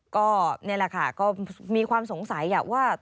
ก็นี่แหละค่ะก็มีความสงสัยว่า